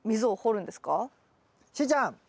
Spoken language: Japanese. しーちゃん！